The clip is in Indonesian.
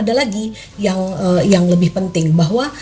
ada lagi yang lebih penting bahwa